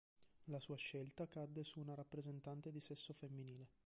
La sua scelta cadde su una rappresentante di sesso femminile.